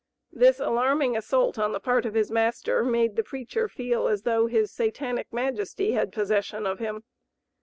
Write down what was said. This alarming assault on the part of his master made the preacher feel as though his Satanic majesty had possession of him.